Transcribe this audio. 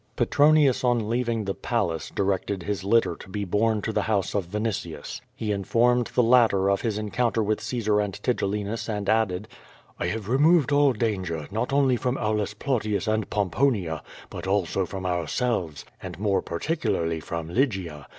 Petronius on leaving the palace, directed his litter to be borne to the house of Vinitius. He informed the latter of his encounter with Caesar and Tigellinus and added: *T[ have removed all danger, not only from Aulus Plautius and Pomponia, but also from ourselves, and more particularly from Lygia.